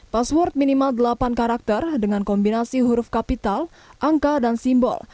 password minimal delapan karakter dengan kombinasi huruf kapital angka dan simbol